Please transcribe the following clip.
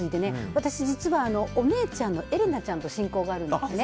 私、実はお姉ちゃんのエレナちゃんと親交があるんですね。